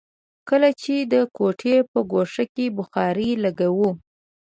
کله چې د کوټې په ګوښه کې بخارۍ لګوو.